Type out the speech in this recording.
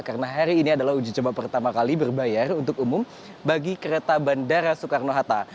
karena hari ini adalah uji coba pertama kali berbayar untuk umum bagi kereta bandara soekarno hatta